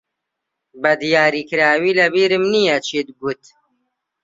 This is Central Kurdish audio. بەدیاریکراوی لەبیرم نییە چیت گوت.